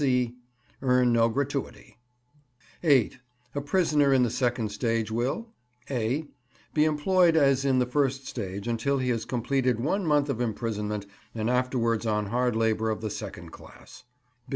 (c) Earn no gratuity. 8. A prisoner in the second stage will (a) Be employed as in the first stage until he has completed one month of imprisonment, and afterwards on hard labour of the second class.